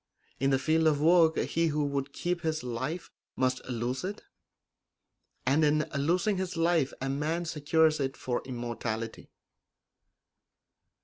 In the field of work he who would keep his life must lose it, and in losing his life a man secures it for immortality.